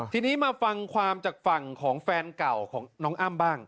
ทีนี้มาฟังความจากฝั่งของแฟนเก่าของน้องอ้ำบ้าง